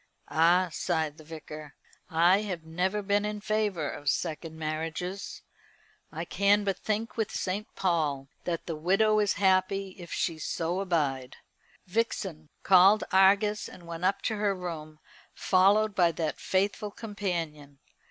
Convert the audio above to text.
"Ah!" sighed the Vicar, "I have never been in favour of second marriages. I can but think with St. Paul that the widow is happy if she so abide." Vixen called Argus and went up to her room, followed by that faithful companion.